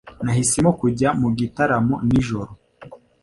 Nahisemo kujya mu gitaramo nijoro.